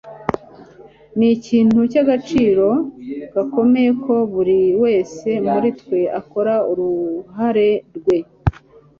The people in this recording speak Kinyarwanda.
ni ikintu cy'agaciro gakomeye ko buri wese muri twe akora uruhare rwe